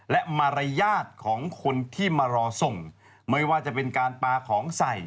และมารยาทของคนที่มารอส่งไม่ว่าจะเป็นการปลาของใส่